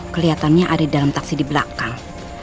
kelihatannya ada di dalam taksi di belakang